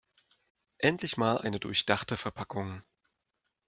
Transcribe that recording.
Endlich mal eine durchdachte Verpackung.